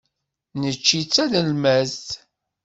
Necci d tanelmadt.